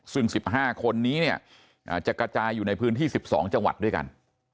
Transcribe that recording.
ซึ่ง๑๕คนนี้เนี่ยจะกระจายอยู่ในพื้นที่๑๒จังหวัดด้วยกัน